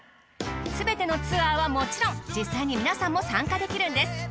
すべてのツアーはもちろん実際に皆さんも参加できるんです。